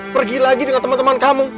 pergi lagi dengan teman teman kamu